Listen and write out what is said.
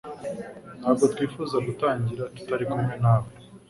Ntabwo twifuzaga gutangira tutari kumwe nawe